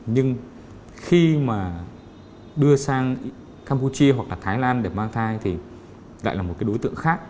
nhưng khi đưa sang campuchia hoặc thái lan để mang thai thì lại là một đối tượng khác